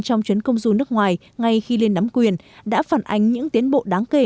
trong chuyến công du nước ngoài ngay khi lên nắm quyền đã phản ánh những tiến bộ đáng kể